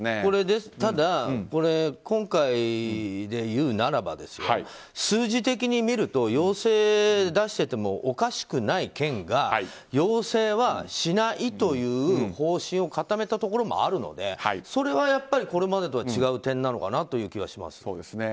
ただ、今回でいうならば数字的に見ると要請を出しててもおかしくない県が要請はしないという方針を固めたところもあるのでそれはやっぱりこれまでとは違う点なのかなという気がします。